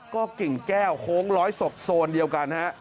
ก็กิ่งแก้วโค้งร้อยศพโซนเดียวกันฮะ